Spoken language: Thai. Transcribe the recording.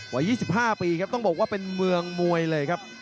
หาย๒๕ปีครับเป็นเมืองมวยเลยครับ